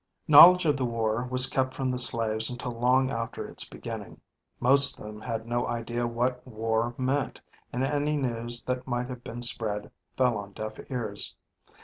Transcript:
Knowledge of the war was kept from the slaves until long after its beginning. Most of them had no idea what "war" meant and any news that might have been spread, fell on deaf ears.